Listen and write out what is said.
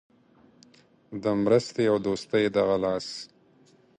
د مرستې او دوستۍ دغه لاس.